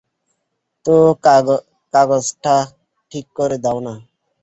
তো কাগজটা ঠিক করে দাও না।